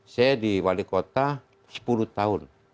saya di wali kota sepuluh tahun